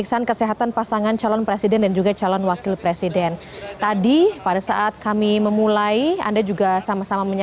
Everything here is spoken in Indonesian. baik saat ini kita sedang menantikan bersama